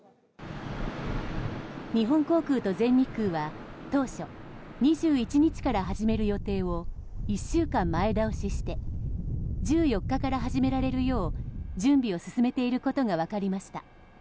日本航空と全日空は当初２１日から始める予定を１週間前倒しして１４日から始められるよう準備を進めていることが分かりました。